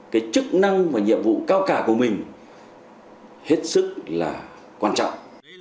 cái chức năng và nhiệm vụ cao cả của mình hết sức là quan trọng